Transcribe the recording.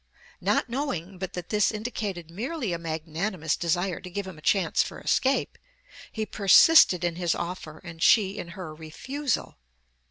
Not knowing but that this indicated merely a magnanimous desire to give him a chance for escape, he persisted in his offer, and she in her refusal.